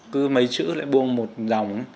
cứ mấy chữ lại buông một dòng